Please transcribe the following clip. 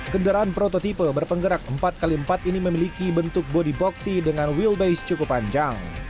kendaraan prototipe berpenggerak empat x empat ini memiliki bentuk body boxy dengan wheelbase cukup panjang